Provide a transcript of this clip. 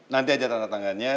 nanti aja tanda tangannya